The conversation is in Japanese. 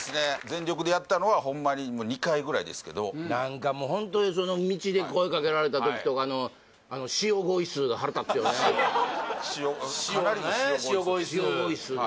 全力でやったのはホンマに２回ぐらいですけど何かもうホントに道で声かけられた時とかの塩かなりの塩ね塩ごいすー